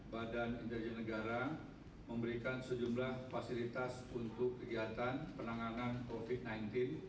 badan intelijen negara memberikan sejumlah fasilitas untuk kegiatan penanganan covid sembilan belas